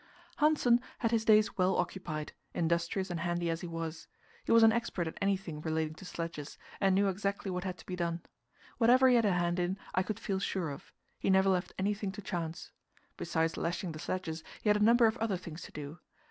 Hanssen had his days well occupied, industrious and handy as he was. He was an expert at anything relating to sledges, and knew exactly what had to be done. Whatever he had a hand in, I could feel sure of; he never left anything to chance. Besides lashing the sledges, he had a number of other things to do.